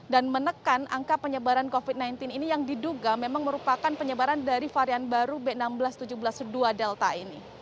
dan menekan angka penyebaran covid sembilan belas ini yang diduga memang merupakan penyebaran dari varian baru b enam belas tujuh belas dua delta ini